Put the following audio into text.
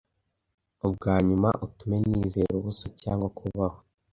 ubwanyuma utume nizera ubusa cyangwa kubaho